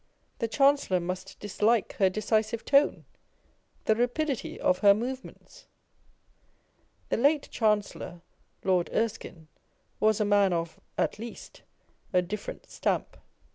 The Chancellor must dislike her decisive tone, the rapidity of her movements ! The late Chancellor (Lord Erskine) was a man of (at least) a dif ferent stamp.